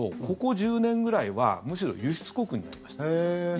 ここ１０年ぐらいはむしろ輸出国になりました。